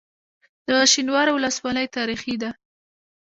د شینوارو ولسوالۍ تاریخي ده